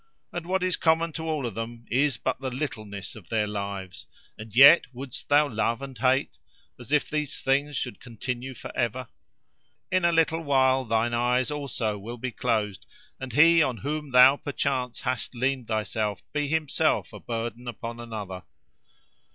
And what is common to all of them is but the littleness of their lives: and yet wouldst thou love and hate, as if these things should continue for ever. In a little while thine eyes also will be closed, and he on whom thou perchance hast leaned thyself be himself a burden upon another.